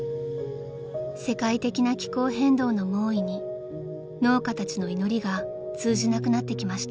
［世界的な気候変動の猛威に農家たちの祈りが通じなくなってきました］